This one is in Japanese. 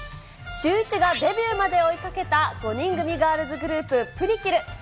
シューイチがデビューまで追いかけた５人組ガールズグループ、プリキル。